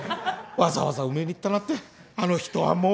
わざわざ埋めに行ったなんてあの人はもう！